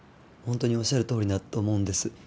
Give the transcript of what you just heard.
本当におっしゃるとおりだと思うんです。